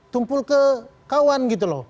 tumpul ke kawan gitu loh